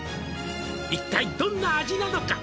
「一体どんな味なのか」